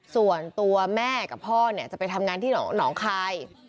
ส่วนตัวแม่กับพ่อจะไปทำงานที่หนองคาย